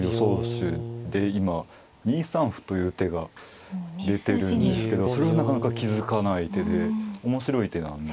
手で今２三歩という手が出てるんですけどそれはなかなか気付かない手で面白い手なんですよね。